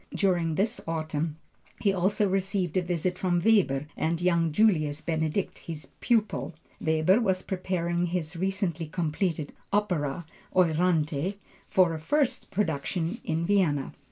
During this autumn he also received a visit from Weber and young Julius Benedict, his pupil. Weber was preparing his recently completed opera Euryanthe, for a first production in Vienna.